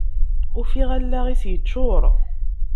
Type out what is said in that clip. Ufiɣ allaɣ-is yeččur.